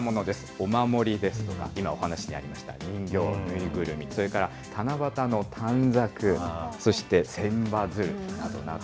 お守りですとか、今お話にありました人形、縫いぐるみ、それから七夕の短冊、そして千羽鶴などなど。